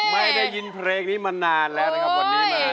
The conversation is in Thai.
ไม่ได้ยินเพลงนี้มานานแล้วนะครับวันนี้มา